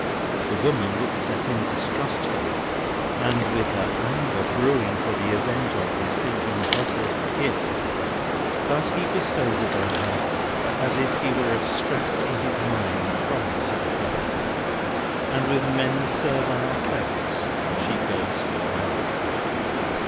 The woman looks at him distrustfully, and with her anger brewing for the event of his thinking better of the gift; but he bestows it on her as if he were abstracting his mind from the sacrifice, and with many servile thanks she goes her way.